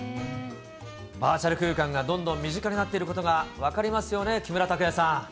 バーチャル空間がどんどん身近になっていることが分かりますよね、木村拓哉さん。